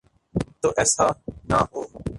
تو ایسا نہ ہو۔